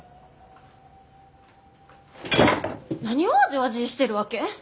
何をわじわじーしてるわけ？